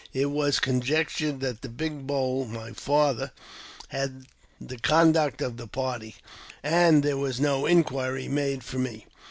It was con jectured that Big Bowl (my father) had the conduct of the party, and there was no inquiry made for me.